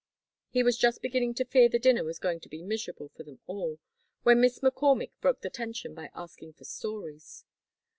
He was just beginning to fear the dinner was going to be miserable for them all, when Miss McCormick broke the tension by asking for stories.